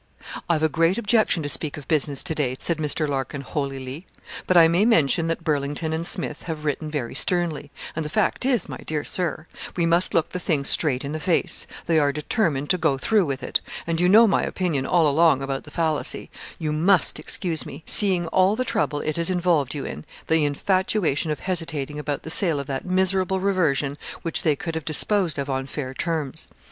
'I've a great objection to speak of business to day,' said Mr. Larkin, holily; 'but I may mention that Burlington and Smith have written very sternly; and the fact is, my dear Sir, we must look the thing straight in the face; they are determined to go through with it; and you know my opinion all along about the fallacy you must excuse me, seeing all the trouble it has involved you in the infatuation of hesitating about the sale of that miserable reversion, which they could have disposed of on fair terms.